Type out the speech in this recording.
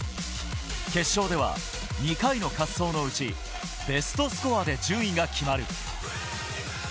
決勝では２回の滑走のうち、ベストスコアで順位が決まる。